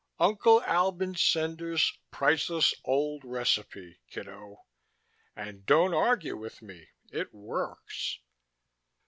Uncle Albin Cendar's Priceless Old Recipe, kiddo, and don't argue with me: it works."